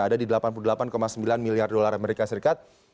ada di delapan puluh delapan sembilan miliar dolar amerika serikat